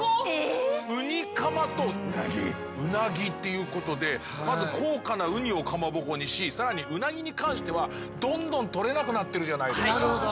ウニかまとうなぎっていうことでまず高価なウニをかまぼこにし更にうなぎに関してはどんどん取れなくなってるじゃないですか。